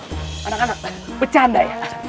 anak anak becanda ya